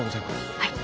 はい。